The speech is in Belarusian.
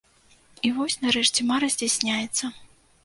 І вось, нарэшце, мара здзяйсняецца.